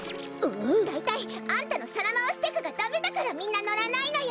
だいたいあんたのさらまわしテクがダメだからみんなノらないのよ！